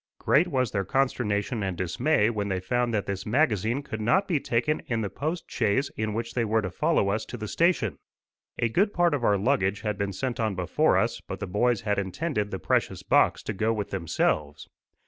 Great was their consternation and dismay when they found that this magazine could not be taken in the post chaise in which they were to follow us to the station. A good part of our luggage had been sent on before us, but the boys had intended the precious box to go with themselves.